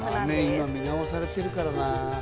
豆、今見直されてるからな。